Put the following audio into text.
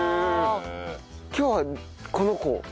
今日はこの子？